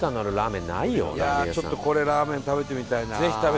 いやあちょっとこれラーメン食べてみたいな。